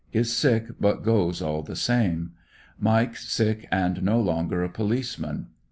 Is sick but goes all the same. Mike sick and no longer a policeman.